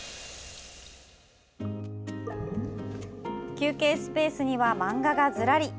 休憩スペースには漫画がずらり。